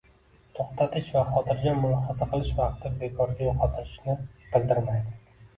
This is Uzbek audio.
To‘xtash va xotirjam mulohaza qilish vaqtni bekorga yo‘qotishni bildirmaydi